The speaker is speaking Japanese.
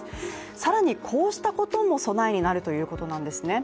更に、こうしたことも備えになるということなんですね